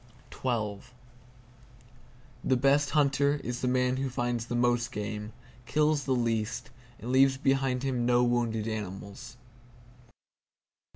The best hunter is the man who finds the most game, kills the least, and leaves behind him no wounded animals.